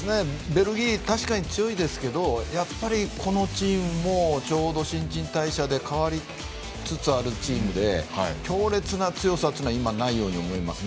ベルギー確かに強いですけどやっぱりこのチームもちょうど新陳代謝で変わりつつあるチームで強烈な強さというのは今はないように思います。